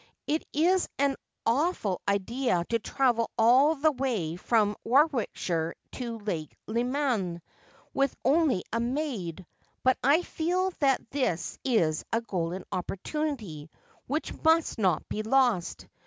It is an awful idea to travel all the way from Warwickshire to Lake Leman, with only a maid, but I feel that this is a golden opportunity which must not be lost.